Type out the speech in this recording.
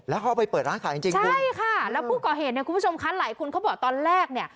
แล้วเขาเอาไปเปิดร้านขายจริงจริงใช่ค่ะแล้วผู้ก่อเหตุเนี่ยคุณผู้ชมคะหลายคนเขาบอกตอนแรกเนี่ย